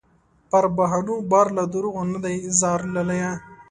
پر بهانو بار له دروغو نه دې ځار لالیه